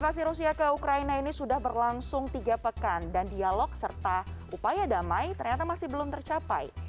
invasi rusia ke ukraina ini sudah berlangsung tiga pekan dan dialog serta upaya damai ternyata masih belum tercapai